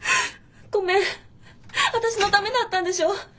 ごめん私のためだったんでしょ？